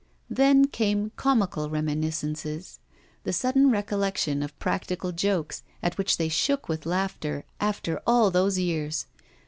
Then came comical reminiscences; the sudden recollection of practical jokes, at which they shook with laughter after all those years.